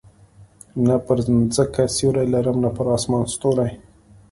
نه پر مځکه سیوری لرم، نه پر اسمان ستوری.